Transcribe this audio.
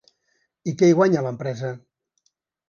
I què hi guanya, l’empresa?